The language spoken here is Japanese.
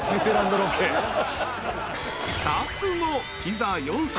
［スタッフもピザ４皿。